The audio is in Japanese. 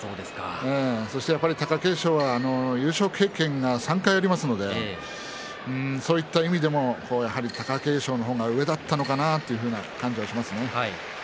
そして、やっぱり貴景勝は優勝経験が３回ありますのでそういった意味でもやはり貴景勝の方が上だったのかなというふうな感じがしますね。